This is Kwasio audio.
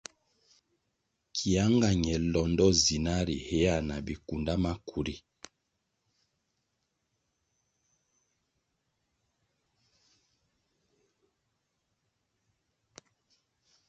Kia nga ñe londo zina ri hea na bikunda maku ri.